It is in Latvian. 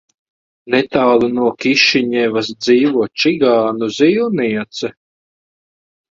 Netālu no Kišiņevas dzīvo čigānu zīlniece.